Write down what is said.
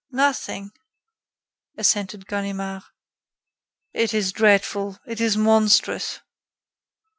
"Nothing," assented Ganimard. "It is dreadful; it is monstrous."